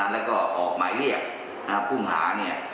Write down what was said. และก็ออกหมายเรียกผู้หา